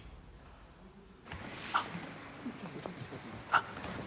あっ。